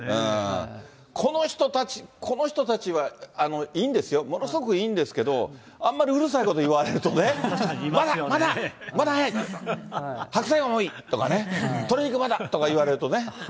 この人たち、この人たちはいいんですよ、ものすごくいいんですけれども、あんまりうるさいこと言われるとね、まだ、まだ、まだ早い、白菜はもういい、鶏肉まだとか言われるとね。